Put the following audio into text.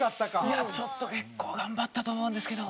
いやちょっと結構頑張ったと思うんですけど。